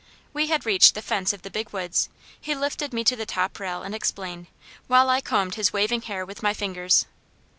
We had reached the fence of the Big Woods. He lifted me to the top rail and explained, while I combed his waving hair with my fingers.